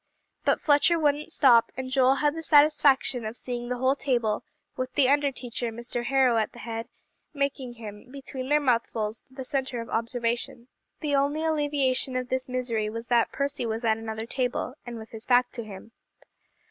But Fletcher wouldn't stop, and Joel had the satisfaction of seeing the whole table, with the under teacher, Mr. Harrow, at the head, making him, between their mouthfuls, the centre of observation. The only alleviation of this misery was that Percy was at another table, and with his back to him.